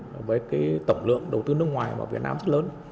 đối với cái tổng lượng đầu tư nước ngoài vào việt nam rất lớn